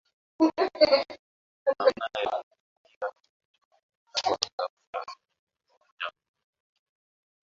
Namna ya kujikinga na ugonjwa wa kufa ghfla kwa wanyama